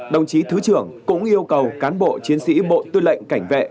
đồng chí thứ trưởng cũng yêu cầu cán bộ chiến sĩ bộ tư lệnh cảnh vệ